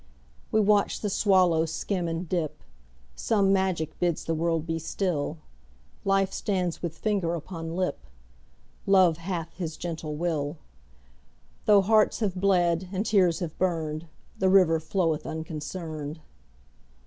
We watch the swallow skim and dip; Some magic bids the world be still; Life stands with finger upon lip; Love hath his gentle will; Though hearts have bled, and tears have burned, The river floweth unconcerned.